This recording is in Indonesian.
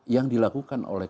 yang dilakukan oleh